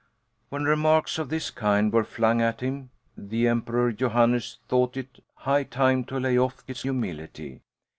When remarks of this kind were flung at him, the Emperor Johannes thought it high time to lay off his humility.